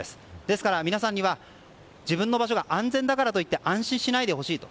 ですから、皆さんには自分の場所が安全だからといって安心しないでほしいと。